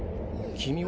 君は？